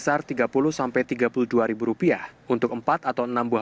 pertama perangko prisma